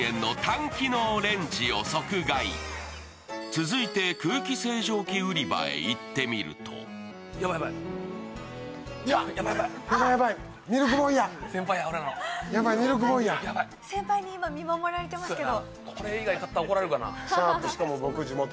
続いて、空気清浄機売り場へ行ってみると先輩に今、見守られてますけど。